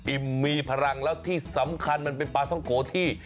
มีพลังแล้วที่สำคัญมันเป็นปลาท่องโกที่